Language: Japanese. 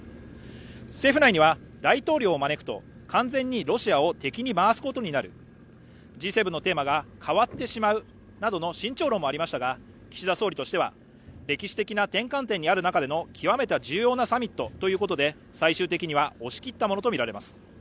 政府内には大統領を招くと完全にロシアを敵に回ることになる、Ｇ７のテーマが変わってしまうなどの慎重論もありましたが岸田総理としては、歴史的な転換点にある中での極めて重要なサミットということで最終的には押し切ったものとみられます。